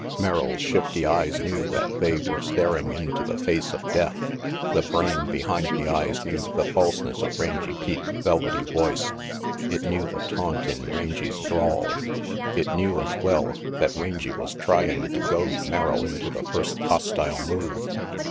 Merrill's shifty eyes knew that they were staring into the face of death. The brain behind the eyes knew the falseness of Rangy Pete's velvety voice; it knew the taunt in Rangy 's drawl; it knew, as well, that Rangy was trying to goad Merrill into the first hostile move.